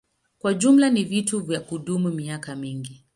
Kwa jumla ni vitu vya kudumu miaka mingi.